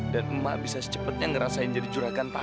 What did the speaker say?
dan emak bisa secepetnya ngerasain jadi curagan tanah